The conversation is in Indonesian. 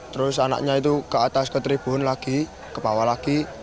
terus anaknya itu ke atas ke tribun lagi ke bawah lagi